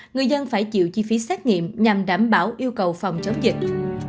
người dân phải chịu chi phí xét nghiệm nhằm đảm bảo yêu cầu phòng chống dịch